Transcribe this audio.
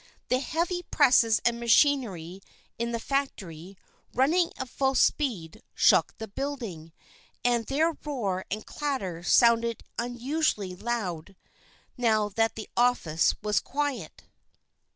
The heavy presses and machinery in the factory, running at full speed, shook the building, and their roar and clatter sounded unusually loud now that the office was quiet.